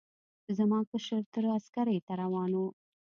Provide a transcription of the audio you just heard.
زما کشر تره عسکرۍ ته روان و.